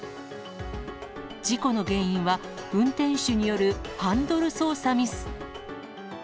事故の原因は、運転手によるハンドル操作ミス。